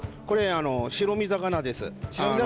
これあの白身魚です。